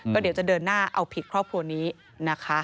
ก็เดี๋ยวจะเดินหน้าเอาผิดครอบครัวนี้นะคะ